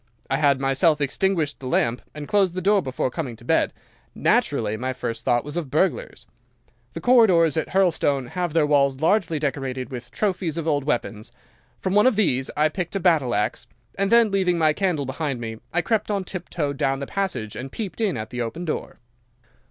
I had myself extinguished the lamp and closed the door before coming to bed. Naturally my first thought was of burglars. The corridors at Hurlstone have their walls largely decorated with trophies of old weapons. From one of these I picked a battle axe, and then, leaving my candle behind me, I crept on tiptoe down the passage and peeped in at the open door.